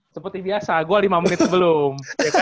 seperti biasa gue lima menit sebelum